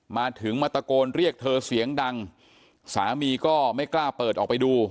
มาถึงมาตะโกนเรียกเธอเสียงดังสามีก็ไม่กล้าเปิดออกไปดู